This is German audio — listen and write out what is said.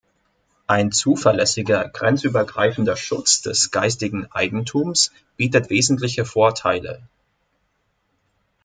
Ein zuverlässiger grenzübergreifender Schutz des geistigen Eigentums bietet wesentliche Vorteile.